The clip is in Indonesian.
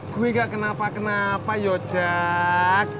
gue gak kenapa kenapa yo jak